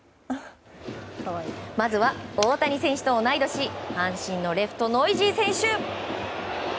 まずは大谷選手と同い年阪神のレフト、ノイジー選手。